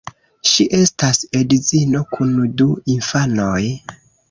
Ŝi estas edzino kun du infanoj.